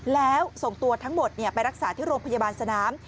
แล้วส่งตัวทั้งหมดไปรักษาที่โรงพยาบาลสนาม